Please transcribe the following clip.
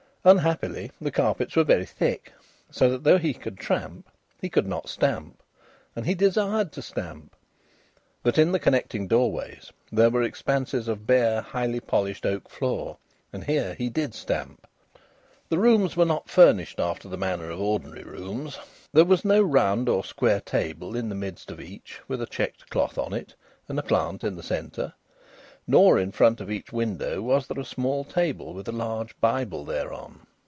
Unhappily, the carpets were very thick, so that though he could tramp, he could not stamp; and he desired to stamp. But in the connecting doorways there were expanses of bare, highly polished oak floor, and here he did stamp. The rooms were not furnished after the manner of ordinary rooms. There was no round or square table in the midst of each, with a checked cloth on it, and a plant in the centre. Nor in front of each window was there a small table with a large Bible thereupon.